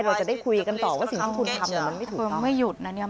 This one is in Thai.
เราจะได้คุยกันต่อว่าสิ่งที่คุณทำมันไม่ถูกต้อง